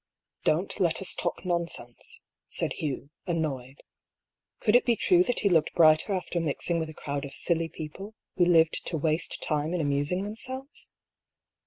" Don't let us talk nonsense," said Hugh, annoyed. Could it be true that he looked brighter after mixing with a crowd of silly people, who lived to waste time in amusing themselves?